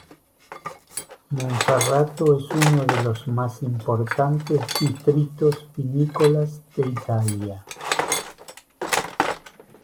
Monferrato es uno de los más importantes distritos vinícolas de Italia.